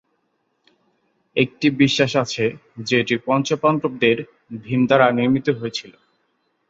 একটি বিশ্বাস আছে যে এটি পঞ্চ পাণ্ডবদের ভীম দ্বারা নির্মিত হয়েছিল।